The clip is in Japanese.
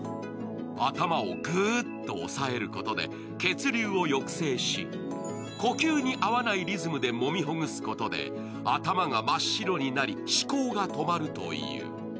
頭をグーッと押さえることで血流を抑制し、呼吸に合わないリズムでもみほぐすことで頭が真っ白になり思考が止まるという。